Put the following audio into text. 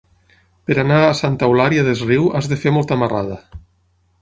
Per anar a Santa Eulària des Riu has de fer molta marrada.